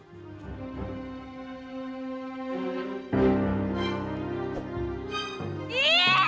ih kurang aja